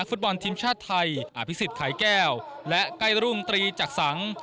นักฟุตบอลทีมชาติไทยอภิกษิศไข่แก้วและใกล้รุงตรีจักษัง